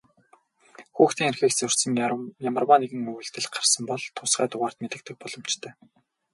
Хүүхдийн эрхийг зөрчсөн ямарваа нэгэн үйлдэл гарсан бол тусгай дугаарт мэдэгдэх боломжтой.